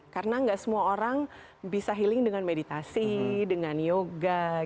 karena nggak semua orang bisa healing dengan meditasi dengan yoga